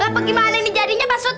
lah bagaimana ini jadinya pak suta